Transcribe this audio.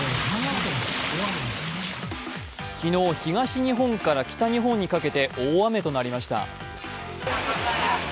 昨日、東日本から北日本にかけて大雨となりました。